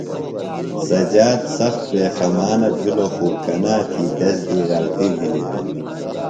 سجاد سخت پیخمانہ بِھلوۡ خو کنا تھی تس دی غلطیۡ بِھلیۡ دےۡ۔